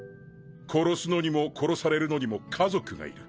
殺すのにも殺されるのにも家族がいる。